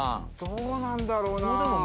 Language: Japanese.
どうなんだろうな。